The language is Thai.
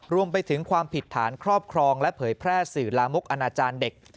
รวมไปถึงความผิดฐานครอบครองและเผยแพร่สื่อลามกอนาจารย์เด็ก